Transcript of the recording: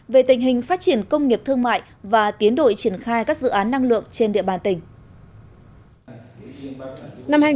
về tình hình phát triển công nghiệp thương mại và tiến đội triển khai các dự án năng lượng trên địa bàn tỉnh